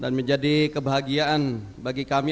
dan menjadi kebahagiaan bagi kami